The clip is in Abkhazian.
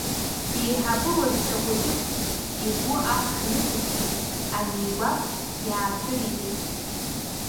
Иеиҳабы уажәшьҭа хәыҷык игәы ахәша нықәсшьит анигәахә, иаацәыригеит…